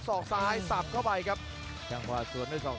ประโยชน์ทอตอร์จานแสนชัยกับยานิลลาลีนี่ครับ